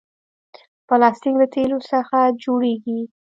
پلاستيک له تیلو څخه جوړېږي.